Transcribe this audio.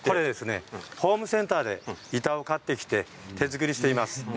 ホームセンターで板を買ってきて手作りしています。